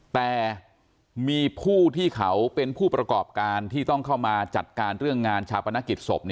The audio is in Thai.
แต่มีผู้ที่เขาเป็นผู้ประกอบการที่ต้องเข้ามาจัดการเรื่องงานชาปนกิจศพ